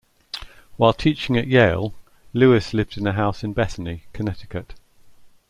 While teaching at Yale, Lewis lived in a house in Bethany, Connecticut.